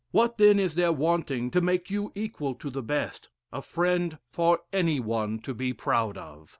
What, then, is there wanting to make you equal to the best a friend for any one to be proud of?"